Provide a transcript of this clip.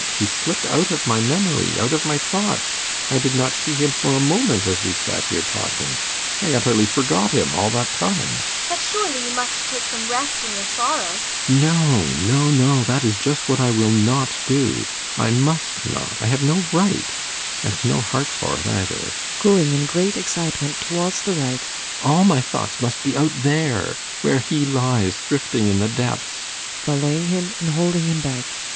He slipped out of my memory out of my thoughts. I did not see him for a moment as we sat here talking. I utterly forgot him all that time. ASTA. But surely you must take some rest in your sorrow. ALLMERS. No, no, no; that is just what I will not do! I must not I have no right and no heart for it, either. [Going in great excitement towards the right.] All my thoughts must be out there, where he lies drifting in the depths! ASTA. [Following him and holding him back.